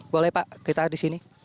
boleh pak kita di sini